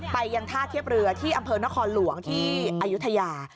ไปยังท่าเทียบเรือที่อำเภอนครหลวงที่อายุทยา